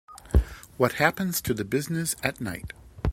What happens to the business at night?